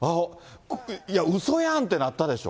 いや、うそやんと思ったでしょ？